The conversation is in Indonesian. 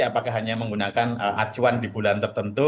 apakah hanya menggunakan acuan di bulan tertentu